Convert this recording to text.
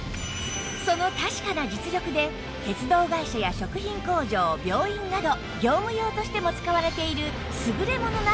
その確かな実力で鉄道会社や食品工場病院など業務用としても使われている優れものなんです